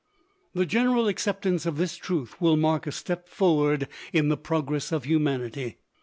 The general acceptance of this truth will mark a step forward in the progress of humanity.